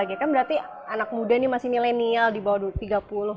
ini masih milenial di bawah tiga puluh